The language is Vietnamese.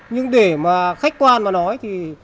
nhưng để mà khách quan mà nói thì